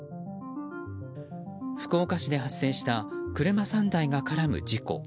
福岡市で発生した車３台が絡む事故。